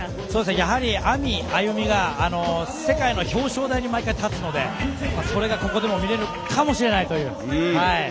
やはりＡＭＩ、ＡＹＵＭＩが世界の表彰台に毎回、立つのでそれがここでも見れるかもしれないという。